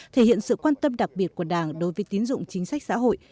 thể hiện sự quan tâm đặc biệt của đảng đối với tín dụng chính sách xã hội